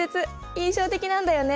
印象的なんだよね。